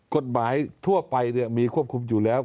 กฎหมายทั่วไปมีควบคุมอยู่แล้ว